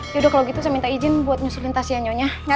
yaudah kalau gitu saya minta izin buat nyusulin tasian nyonya